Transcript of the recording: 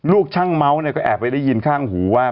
ลูกช่างเมาส์เนี่ยก็แอบไปได้ยินข้างหูว่า